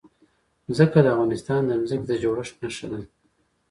ځمکه د افغانستان د ځمکې د جوړښت نښه ده.